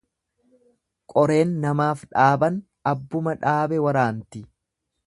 Qoreen namaaf dhaaban, abbuma dhaabe waraanti.